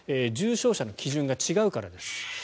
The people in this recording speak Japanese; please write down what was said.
重症者の基準が違うからです。